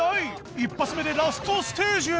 一発目でラストステージへ